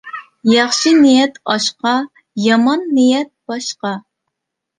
ياخشى نىيەت ئاشقا، يامان نىيەت باشقا.